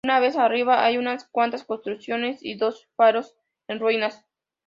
Una vez arriba, hay unas cuantas construcciones y dos faros en ruinas.